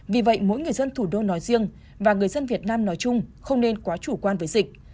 vì vậy mỗi người dân thủ đô nói riêng và người dân việt nam nói chung không nên quá chủ quan với dịch